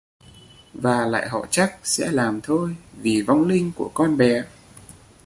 và lại họ chắc sẽ làm thôi vì vong linh của con bé